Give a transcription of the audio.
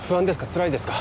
つらいですか？